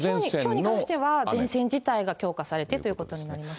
きょうに関しては前線自体が強化されてということになります。